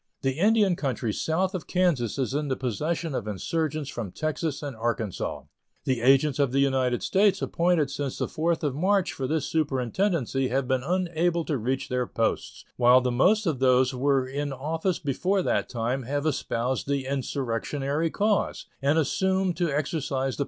The Indian country south of Kansas is in the possession of insurgents from Texas and Arkansas. The agents of the United States appointed since the 4th of March for this superintendency have been unable to reach their posts, while the most of those who were in office before that time have espoused the insurrectionary cause, and assume to exercise the powers of agents by virtue of commissions from the insurrectionists.